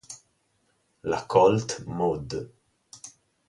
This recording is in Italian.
La Colt mod.